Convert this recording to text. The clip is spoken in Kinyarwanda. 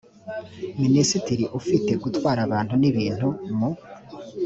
minisitiri ufite gutwara abantu n ibintu mu